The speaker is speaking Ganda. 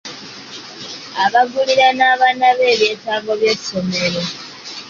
Abagulira n'abaana be ebyetaago by'essomero.